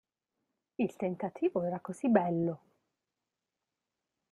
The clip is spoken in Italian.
Il tentativo era così bello.